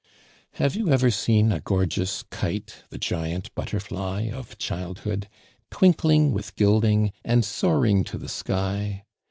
Have you ever seen a gorgeous kite, the giant butterfly of childhood, twinkling with gilding, and soaring to the sky?